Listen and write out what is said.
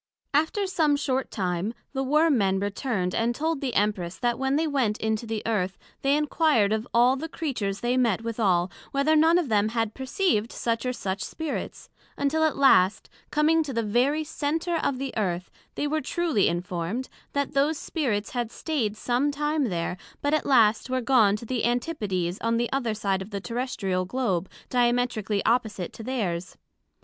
After some short time, the Worm men returned, and told the Empress, that when they went into the Earth, they inquired of all the Creatures they met withal, Whether none of them had perceived such or such Spirits; until at last coming to the very Center of the Earth, they were truly informed, that those Spirits had stayed some time there, but at last were gone to the Antipodes on the other side of the Terrestrial Globe, diametrically opposite to theirs.